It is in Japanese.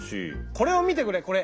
これを見てくれこれ。